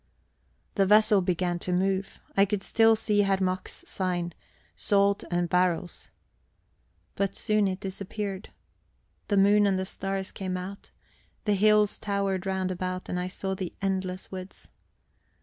The vessel began to move; I could still see Herr Mack's sign: "Salt and Barrels." But soon it disappeared. The moon and the stars came out; the hills towered round about, and I saw the endless woods.